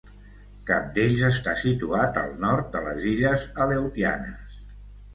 Cap d'ells està situat al nord de les illes Aleutianes.